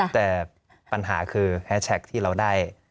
แต่ปัญหาคือแฮชแท็กที่เราได้